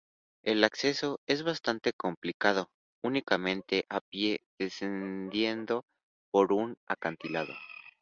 El acceso es bastante complicado, únicamente a pie descendiendo por un acantilado.